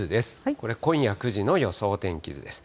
これ、今夜９時の予想天気図です。